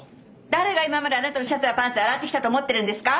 誰が今まであなたのシャツやパンツ洗ってきたと思ってるんですか！？